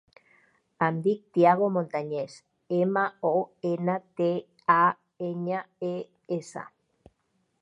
Em dic Thiago Montañes: ema, o, ena, te, a, enya, e, essa.